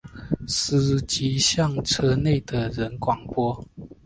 司机向车内的人广播